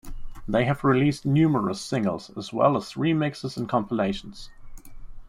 They have released numerous singles as well as remixes and compilations.